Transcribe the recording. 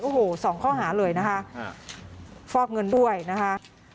โอ้โหสองข้อหาเลยนะคะฟอกเงินด้วยนะคะ